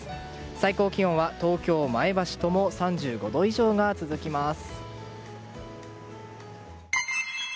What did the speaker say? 最高気温は東京、前橋ともに３５度以上が続きます。